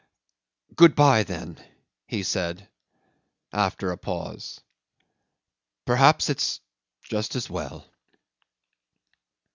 '"Good bye, then," he said, after a pause. "Perhaps it's just as well."